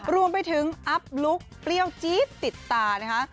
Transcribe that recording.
รวมไปถึงอัพลุคเปรี้ยวจี๊ดติดตานะคะ